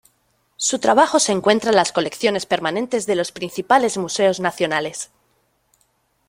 Su trabajo se encuentra en las colecciones permanentes de los principales museos nacionales.